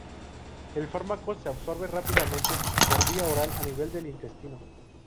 El fármaco se absorbe rápidamente por vía oral a nivel del intestino.